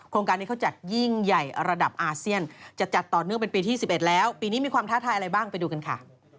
การนี้เขาจัดยิ่งใหญ่ระดับอาเซียนจะจัดต่อเนื่องเป็นปีที่๑๑แล้วปีนี้มีความท้าทายอะไรบ้างไปดูกันค่ะ